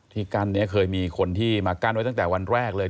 กั้นนี้เคยมีคนที่มากั้นไว้ตั้งแต่วันแรกเลย